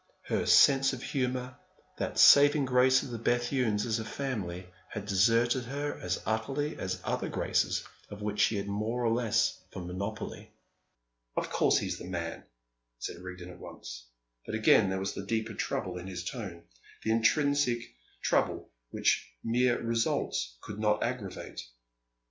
Her sense of humour, that saving grace of the Bethunes as a family, had deserted her as utterly as other graces of which she had more or less of a monopoly. "Of course he's the man," said Rigden at once; but again there was the deeper trouble in his tone, the intrinsic trouble which mere results could not aggravate.